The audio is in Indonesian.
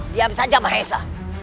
diam saja mahesa